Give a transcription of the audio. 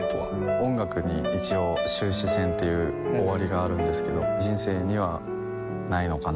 音楽に一応終止線という終わりがあるんですけど人生にはないのかな